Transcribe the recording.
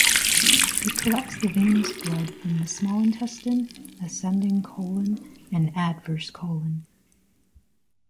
It collects the venous blood from the small intestine, ascending colon and adverse colon.